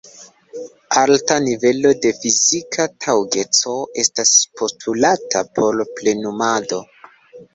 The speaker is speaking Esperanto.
Alta nivelo de fizika taŭgeco estas postulata por plenumado.